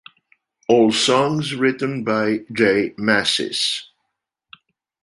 All songs written by J Mascis.